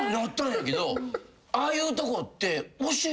ああいうとこって。